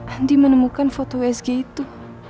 andi menemukan foto wsg itu